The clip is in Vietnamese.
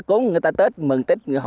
cúng người ta tết mừng tết